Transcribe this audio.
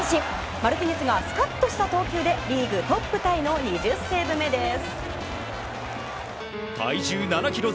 マルティネスがスカッとした投球でリーグトップタイの２０セーブ目です。